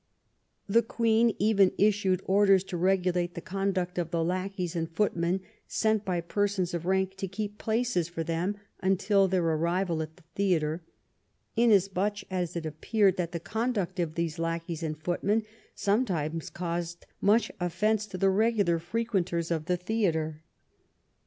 The Queen even issued orders to regulate the conduct of the lackeys and footmen sent by persons of rank to keep places for them until their arrival at the theatre, inas much as it appeared that the conduct of these lackeys and footmen sometimes caused much offence to the regular frequenters of the theatre.